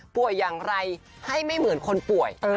อย่างไรให้ไม่เหมือนคนป่วย